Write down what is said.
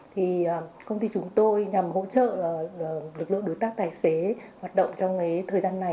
thì công ty chúng tôi nhằm hỗ trợ lực lượng đối tác tài xế hoạt động trong thời gian này